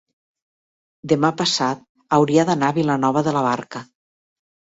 demà passat hauria d'anar a Vilanova de la Barca.